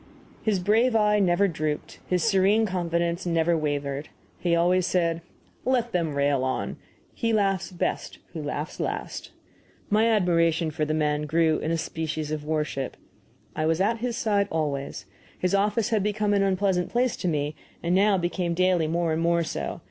His brave eye never drooped, his serene confidence never wavered. He always said: "Let them rail on; he laughs best who laughs last." My admiration for the man grew into a species of worship. I was at his side always. His office had become an unpleasant place to me, and now became daily more and more so.